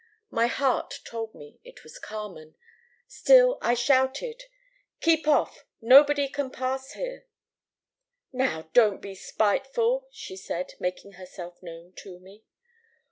My heart told me it was Carmen. Still I shouted: "'Keep off! Nobody can pass here!' "'Now, don't be spiteful,' she said, making herself known to me.